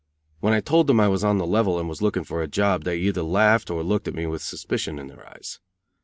When I told them I was on the level and was looking for a job, they either laughed or looked at me with suspicion in their eyes.